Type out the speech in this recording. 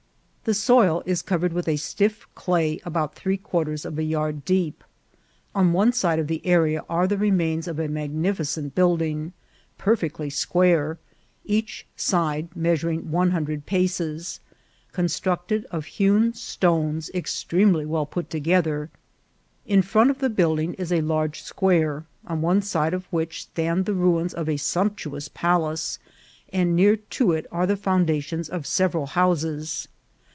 The soil is covered with a stiff clay about three quarters of a yard deep. On one side of the area are the remains of a magnificent building, per fectly square, each side measuring one hundred paces, constructed of hewn stones extremely well put together ; in front of the building is a large square, on one side of which stand the ruins of a sumptuous palace, and near to it are the foundations of several houses.